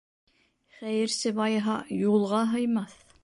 Хәйерсе байыһа, юлға һыймаҫ.